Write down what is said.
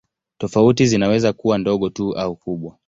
Tofauti zinaweza kuwa ndogo tu au kubwa.